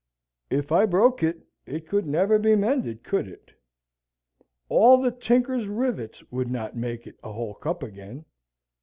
"If I broke it, it could never be mended, could it? All the tinkers' rivets would not make it a whole cup again.